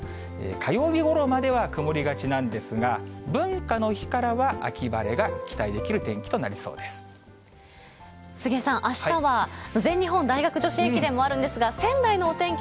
火曜日ごろまでは曇りがちなんですが、文化の日からは秋晴れが期杉江さん、あしたは全日本大学女子駅伝もあるんですが、仙台のお天気